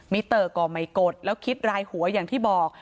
เตอร์ก็ไม่กดแล้วคิดรายหัวอย่างที่บอก